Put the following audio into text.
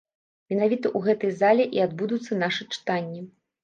Менавіта ў гэтай зале і адбудуцца нашы чытанні.